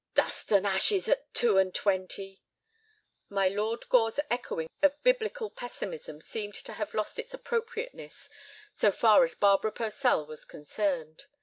"Dust and ashes at two and twenty!" My Lord Gore's echoing of Biblical pessimism seemed to have lost its appropriateness so far as Barbara Purcell was concerned.